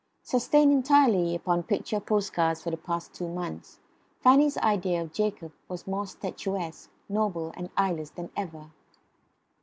Sustained entirely upon picture post cards for the past two months, Fanny's idea of Jacob was more statuesque, noble, and eyeless than ever.